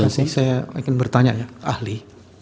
terima kasih saya ingin bertanya ya ahli